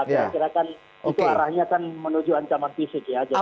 kira kira kan itu arahnya kan menuju ancaman fisik ya